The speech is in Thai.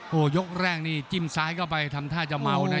โอ้โหยกแรกนี่จิ้มซ้ายเข้าไปทำท่าจะเมานะ